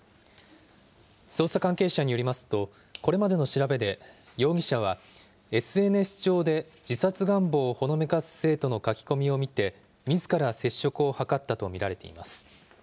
捜査関係者によりますと、これまでの調べで、容疑者は、ＳＮＳ上で自殺願望をほのめかす生徒の書き込みを見て、みずから接触を図ったと見られています。